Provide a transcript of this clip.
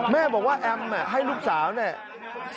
แม่บอกว่าแอมให้ลูกสาวเนี่ย